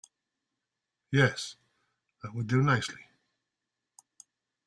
Yes, that would do nicely.